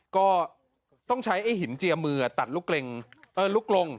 ก็ต้องใช้ไอ้หินเจียมืออะตัดลูกเกร็งเอ่อลูกลง